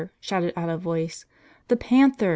shouted out a voice. "The panther!"